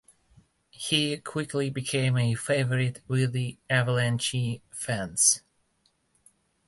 He quickly became a favorite with the Avalanche fans.